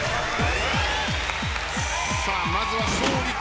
さあまずは勝利君。